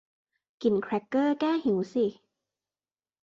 กินแคร็กเกอร์แก้หิวสิ